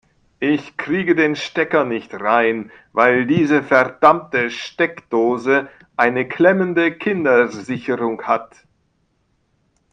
Ich kriege den Stecker nicht rein, weil diese verdammte Steckdose eine klemmende Kindersicherung hat.